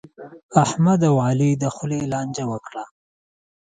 احمد او علي د خولې لانجه وکړه.